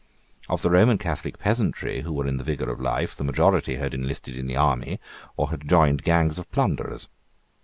Of the Roman Catholic peasantry who were in the vigour of life the majority had enlisted in the army or had joined gangs of plunderers.